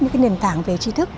những cái nền tảng về trí thức